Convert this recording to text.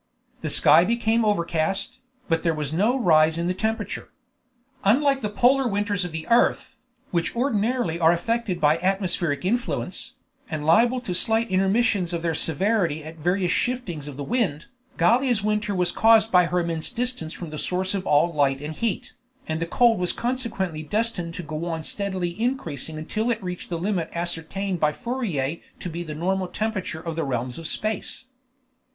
The sky became overcast, but there was no rise in the temperature. Unlike the polar winters of the earth, which ordinarily are affected by atmospheric influence, and liable to slight intermissions of their severity at various shiftings of the wind, Gallia's winter was caused by her immense distance from the source of all light and heat, and the cold was consequently destined to go on steadily increasing until it reached the limit ascertained by Fourier to be the normal temperature of the realms of space.